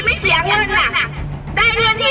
พระคุณนางหนังสืออ่อนพวกเข้าไปดูในวัด